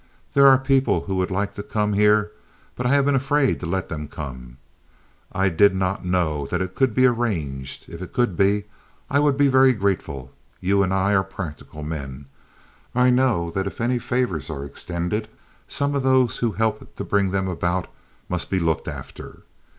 There are people who would like to come here, but I have been afraid to let them come. I did not know that it could be arranged. If it could be, I would be very grateful. You and I are practical men—I know that if any favors are extended some of those who help to bring them about must be looked after.